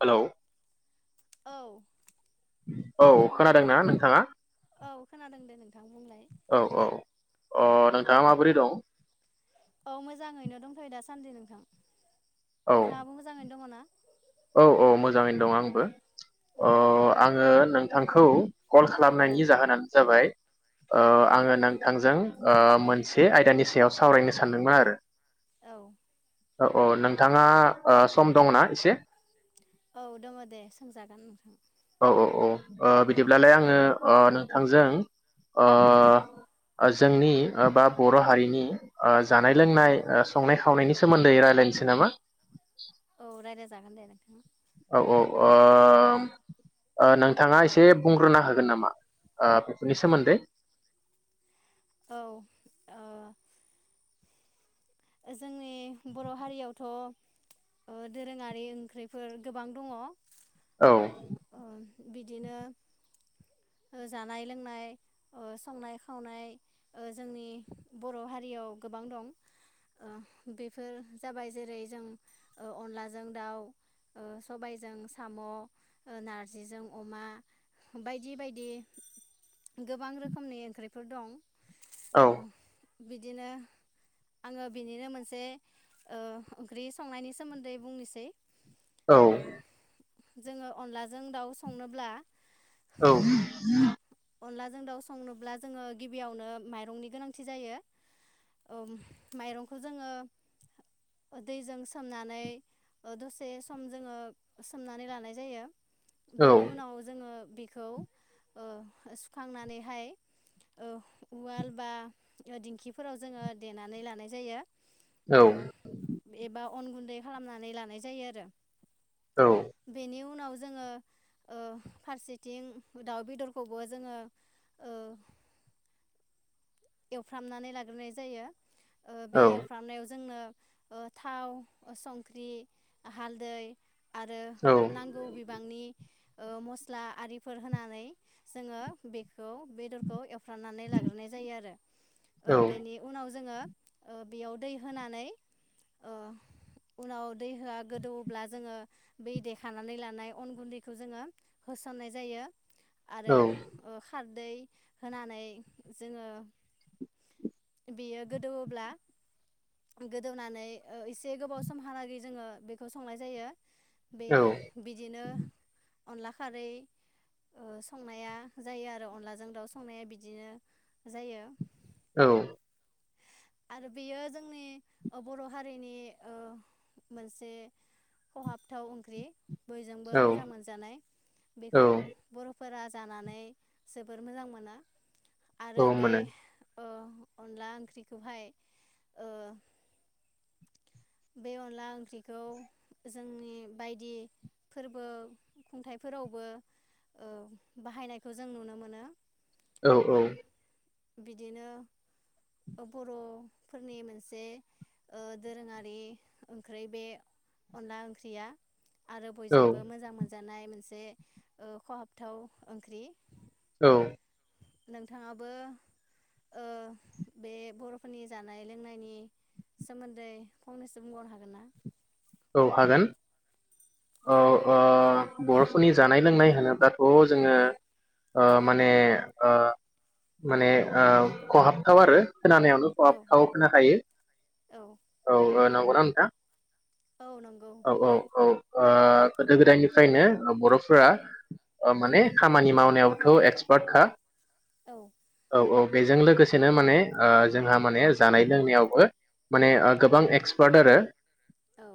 Hello. औ। औ खोनादों खोनादोंना नोंथाङा औ खोनादों दे नोंथां बुंलाय। औ औ अ' नोंथाङा माबोरै दं औ मोजाङैनो दंथ'यो दा सानदि नोंथां। औ नोंथाङाबो मोजाङैनो दङ ना? औ औ मोजाङैनो दं आंबो। औ अ' आङो नों थांखौ कल औ खालामनायनि जाहोनानो जाबाय ओ औ आङो नों थांजों ओ मोनसे आयदानि सायाव सावरायनो सानदोंमोन आरो। औ। औ औ नोंथाङा ओ सम दंना एसे? औ दङ दे सोंजागोन नोंथां। औ औ औ ओ बिदिब्लालाय आंङो ओ नोंथांजों ओ औ जोंनि बा बर' हारिनि ओ जानाय, औ लोंनाय, संनाय, खा खावनायनि सोमोन्दै रायलायनोसै नामा। औ रायलाय जागोन दे राय दे औ औ ओम नोंथाङा एसे बुंग्रोना होगोन नामा ओ बेफोरनि सोमोन्दै? औ ओ। जोंनि बर' हारियावथ' ओ दोरोङारि ओंख्रिफोर गोबां दङ। औ ओ बिदिनो जानाय लोंनाय ओ संनाय खावनाय जोंनि बर' हारियाव गोबां दं। ओ बेफोर जाबाय जेरै जों अनलाजों दाउ ओ सबायजों साम' नारजिजों अमा बायदि बायदि गोबां रोखोमनि ओंख्रिफोर दं। औ ओ। बिदिनो आङो बिनिनो मोनसे ओ ओंख्रि संनायनि सोमोन्दै बुंनोसै। औ। ओ जोङो अनलाजों दाउ संनोब्ला औ। अनलाजों दाउ संनोब्ला जोङो गिबियावनो माइरंनि गोनांथि जायो औ माइरंखौ जोङो दैजों सोमनानै दसे सम जोङो सोमनानै लानाय जायो। औ बेनि उनाव जोङो बेखौ ओ सुखांनानैहाय ओ उवाल बा दिंखिफोराव जोंङो देनानै लानाय जायो। औ। ओ एबा अन गुन्दै खालामनानै लानाय जायो आरो। औ बेनि उनाव जोंङो ओ फारसेथिं दाउ बेदर खौबो जोंङो ओ एवफ्रामनानै लाग्रोनाय जायो। ओ बे औ एवफ्रामनायाव जोंनो ओ थाव ओ संख्रि हालदै आरो नांगौ बिबांनि ओ मस्ला आरिफोर होनानै जोङो बेखौ बेदरखौ एव फ्रामनानै लाग्रोनाय जायो आरो। ओ बेनि उनाव खौ जोङो ओ बेयाव दै होनानै ओ उनाव दै होआ गोदौवोब्ला जोङो बै देखानानै लानाय अन गुन्दैखौ जोङो होसननाय जायो। आरो ओ खार दै होनानै जोङो बेयो गोदौवोब्ला गोदौनानै ओ एसे गोबाव समहालागै जोङो बेखौ संनाय जायो। बे बिदिनो अनला खारै ओ संनाया जायो आरो अनलाजों दाउजों संनाया बिदिनो जायो। औ आरो बेयो जोंनि ओ बर' हारिनि ओ मोनसे खहाबथाव ओंख्रि बयजोंबो औ मोजां मोनजानाय बेखौ बर' फोरा जानानै जोबोर मोजां मोनो आरो औ बे मोनो ओ अनला ओंख्रि खौहाय ओ बे अनला ओंख्रिखौ जोंनि बायदि फोरबो खुंथाइफोरावबो ओ बाहायनायखौ जों नुनो मोनो। औ औ बिदिनो बर'फोरनि मोनसे ओ दोरोङा रि ओंख्रि बे अनला ओंख्रिया आरो औ बयजोंबो मोजां मोन जानाय मोनसे ओ खहाबथाव ओंख्रि। औ नोंथाङाबो ओ बे बर'फोरनि जानाय लोंनायनि सोमोन्दै फंनैसो बुंबावनो हागोन ना? औ हागोन। औ ओ बर'फोरनि जानाय लोंनाय होनोब्लाथ' जोङो ओ माने ओ माने ओ खहाबथाव आरो खोनानायावनो खहाबथाव खोनाखायो औ औ ओ नंगौना नोंथां? औ नंगौ औ औ औ ओ गोदो गोदायनिफ्रायनो बर'फोरा ओ औ माने खामानि मावनायाव एथ' एक्सपार्ट खा औ औ बेजों लोगोसेनो माने ओ जोंहा माने जानाय लोंनायावबो माने ओ गोबां एक्सपार्ट आरो औ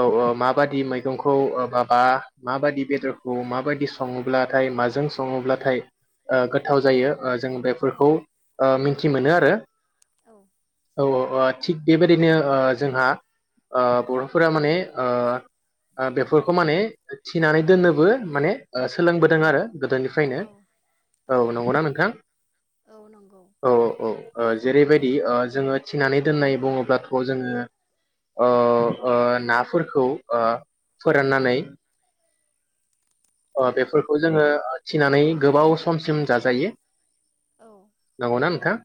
औ ओ माबादि मैगंखौ ओ माबा माबादि बेदरखौ माबायदि सङोब्लाथाय माजों सङोब्लाथाय ओ गोथाव औ जायो ओ जों बेफोरखौ ओ मि बाखथि मोनो आरो औ औ औ थिग बेबायदिनो जोंहा ओ बर'फोरा माने ओ बेफोरखौ माने थिनानै दोननोबो माने सोलोंबोदों आरो गोदोनिफ्रायनो औ औ नंगौना नोंथां? औ नंगौ औ औ जेरैबायदि जोङो थिनानै दोननाय बुङोब्लाथ' जोङो ओ ओ नाफोर खौ फोराननानै औ ओ बेफोरखौ जोङो। फिनानै गोबाव समसिम जाजायो औ नांगौना नोंथां?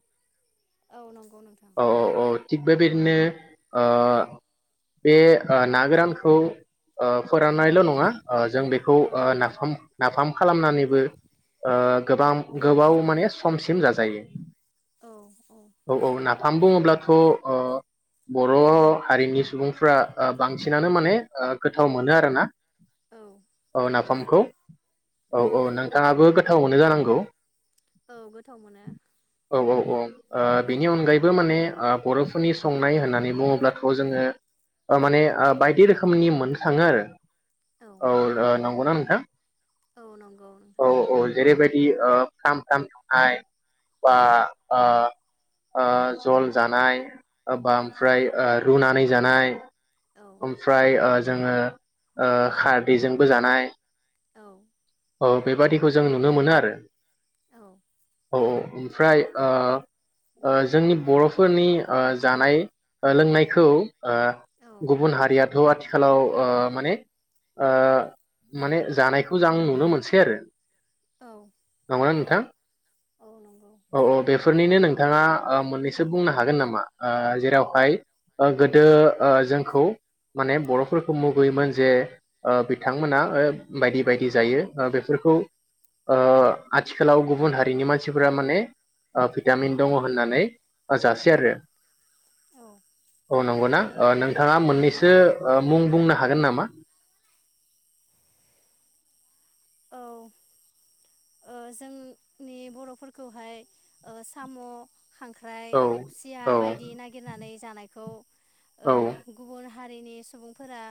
औ नंगौ नोंथां। औ औ औ थिग बेबायदिनो ओ बे ओ ना गोरानखौ ओ फोराननायल' नङा ओ जों बे ओ औ नाफाम नाफाम खालामनानैबो गोबां औ गोबाव माने समसिम जा जायो औ औ औ नाफाम बुङोब्ला दाथ' बर' हारिनि सुबुंफ्रा बांसिनानो माने गोथाव मोनो आरोना औ औ नाफामखौ औ औ नोंथाङाबो गो थावावनो जानांगौ औ गोथाव मोनो औ औ औ ओ बेनि अनगायैबो माने ओ बर'फोरनि संनाय होननानै बुङोब्लाथ' जोङो ओ माने ओ बायदि रोखोमनि मोनखाङो आरो। औ औ नांगौना नोंथां औ नंगौ नंगौ फाम फाम थानाय बा जल जानाय बा औ ओमफ्राय रुनानै जानाय औ ओमफ्राय जोङो खारदैजों बो जानाय औ औ बेबादिखौ जों नुनो मोनो आरो औ औ औ ओमफ्राय जोंनि बर'फोरनि जानाय लोंनायखौ औ गुबुन हारिया थ' आथिखालाव माने ओ माने जानायखौ जां नुनो मोनसै आरो औ मोन नोंथां औ नंगौ औ औ बेफोरनिनो नों बिथाङा मोननैसो बुंनो हागोन नामा जेरावहाय गोदो जोंखौ माने बर'फोरखौ मुगैयोमोन जे ओ बे बिथांमोना बायदि बायदि जायो बेफोरखौ आथिखालाव गुबुन हारिनि मानसिफोरा माने भिटामिन दङ होननानै जासै आरो औ औ नोंगौना नों थाङा औ मोननैसो नंगौ मुं बुंना हागोन नामा औ जोंनि बर'फोरखौहाय साम' खांख्राइ औ खुसिया औ बायदि नागिरनानै जानायखौ औ गुबुन हारिनि सुबुंफोरा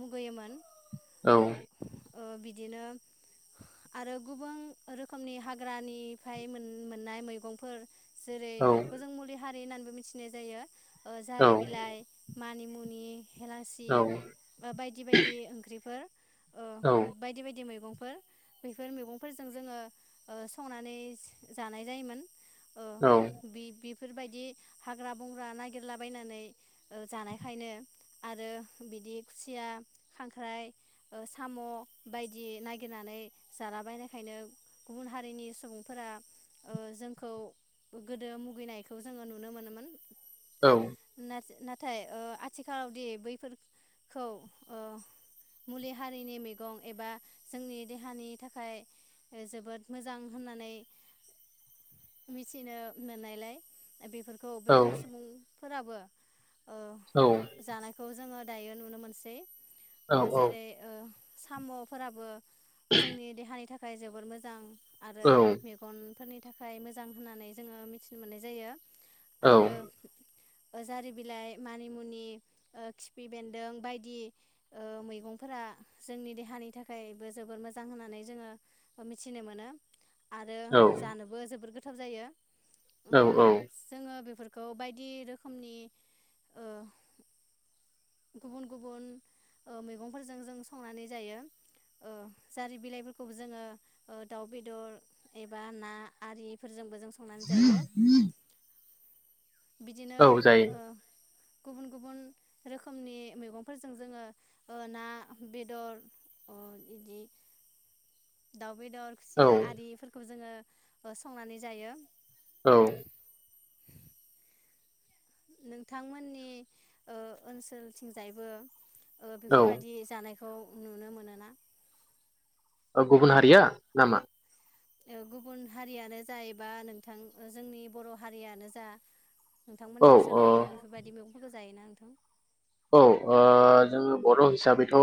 मुगैयोमोन औ ओ बिदिनो आरो गुबां रोखोमनि हाग्रानिफ्राय मोननाय मैगंफोर जेरै बेफोरखौ जों मुलि हा होननानैबो मिथिनाय जायो औ जारि बिलाइ मानि मुनि हेलांसि बा बायदि बायदि ओंख्रिफोर औ बायदि बायदि मैगं [unintelligible] बेफोर मैगं फोरजों जोङो ओ संनानै जानाय जायोमोन। औ बि बिब बेफोरबायदि हाग्रा बंग्रा नागिरलाबायनानै जानायखायनो आरो बिदि खुसिया खांख्राइ साम' बायदि नागिरनानै जालाबायनाय खायनो गुबुन हारिनि सुबुंफोरा ओ जोंखौ गोदो मुगैनायखौ जोङो नुनो मोनोमोन। औ [unintelligible] नाथाय आथिखालावदि बैफोरखौ ओ मुलि हारिनि मैगं एबा जोंनि देहानि थाखाय जोबोद मोजां होननानै मिथिनो मोननायलाय बेफोरखौ बैफोर सुबुं फोराबो। ओ जानायखौ जोङो दायो नुनो मोनसै। ओ जेरै ओ साम'फोराबो जोंनि देहानि थाखाय थाखाय जोबोर मोजां। आरो औ मेगनफोरनि नि थाखाय मोजां होननानै जोङो मिथिनो मोननाय जायो। आरो जारि बिलाइ मानिमुनि ओ खिफि बेन्दों बायदि मैगंफोरा जोंनि देहानि थाखायबो जोबोर मोजां होननानै जोङो मिथिनो मोनो। आरो जानोबो जोबोर थाब जायो। औ औ। खौ बायदि रोखोमनि ओ गुबुन गुबुन मैगंफोरजों जों संनानै जायो जारि बिलाइफोरखौबो जोङो दाउ बेदर एबा ना आरिफोरजोंबो जों संनानै जायो। बिदिनो औ जायो ओ गुबुन गुबुन रोखोमनि मैगंफोरजों जोङो ना बेदर इदि दाउ। बेदर औ खुसिया आरिफोरखौ जोङो संनानै जायो। औ। नोंथांमोननि ओ ओनसोलथिंजायबो औ बेफोरबायदि जानाय। खौ नुनो मोनोना? गुबुन हारिया नामा गुबुन हारियानो जा एबा नोंथां जोंनि बर' हारियानो जा नोंथांमोननि औ अ ओनसाव बेफोरबायदि मैगंफोरखौ जायोना नोंथां औ जोङो बर' हिसाबैथ'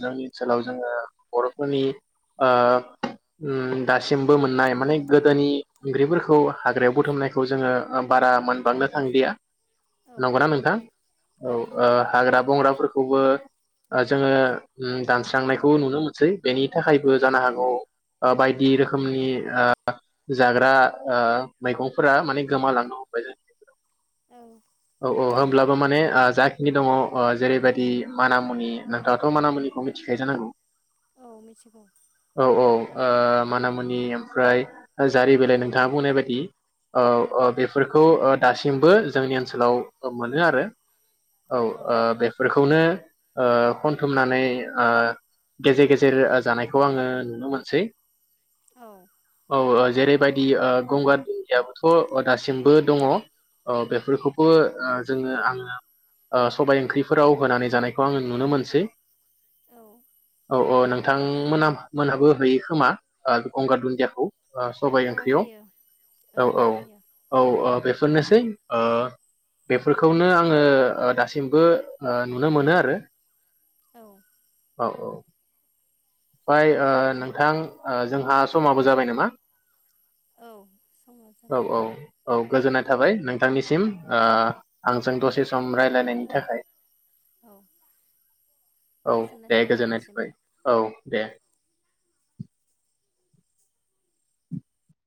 जोंनि ओनसोलाव जोङो बर'फोरनि दासिमबो मोननाय माने गोदोनि ओंख्रिफोरखौ हाग्रायाव बुथुमनायखौ जोङो बारा मोनबांनो थांदिलिया औ नंगौना नोंथां औ ओ हाग्रा बंग्राफोरखौ खौबो जोंङो दानस्रांनायखौ नुनो मोनसै बेनि औ थाखायबो जानो हागौ ओ बायदि रोखोमनि ओ जाग्रा ओ मैगंफोरा माने गोमालांनो हमबाय जोंनिआव औ अ होमब्लाबो माने ओ जा नि दंङ जेरैबायदि मानामुनि नोंथाङाथ' मानामुनिखौ मिथिखायो जानांगौ औ मिथिगौ औ -औ ओ मानामुनि ओमफ्राय जारि बिलाइ नोंथाङा बुंनाय बायदि। औ ओ बेफोरखौ ओ दासिमबो जोंनि ओनसोलाव मोनो आरो। औ ओ बेफोरखौनो ओ खनथुमनानै ओ गेजेर -गेजेर जानायखौ आंङो नुनो मोनसै। औ अ ओ जेरैबायदि ओ गंगार धुनदियाबोथ' दासिमबो दङ ओ बेफोरखौबो ओ जोंङो आंङो ओ सबाय ओंख्रिफोराव होनानै जानायखौ आंङो नुनो मोनसै। औ -औ नोंथांमोन मोनहाबो हैयो खोमा गंगार दुन्दियाखौ। सबाय औ ओंख्रियाव होयो औ- औ -औ ओ बे [unintelligible] नोसै ओ बेफोरखौनो आङो ओ दासिमबो ओ नुनो मोनो आरो। औ औ- औ फाय ओ नोंथां ओ जोंहा समाबो जाबाय नामा। औ समाव जाबाय औ- औ औ गोजोननाय थाबाय नोंथांनिसिम ओ आंजों दसे सम रायलानायनि थाखाय। औ [inaudible] औ गोजोननाय दे थाबाय गोजोननाय थाबाय नोंथांनिसिमबो औ। दे।